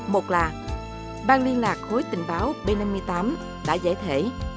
một là ban liên lạc khối tình báo b năm mươi tám đã giải thể